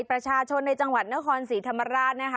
ประชาชนในจังหวัดนครสีธรรมราช